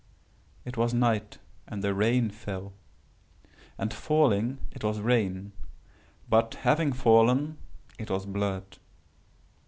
"It was night, and the rain fell; and falling, it was rain, but, having fallen, it was blood.